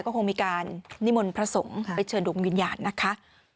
ก็คงมีการนิมนต์พระสงฆ์ไปเชิญดวงวิญญาณนะคะ